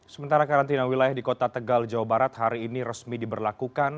sementara karantina wilayah di kota tegal jawa barat hari ini resmi diberlakukan